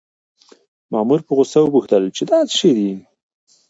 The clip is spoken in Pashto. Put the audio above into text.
مامور په غوسه وپوښتل چې دا څه شی دی؟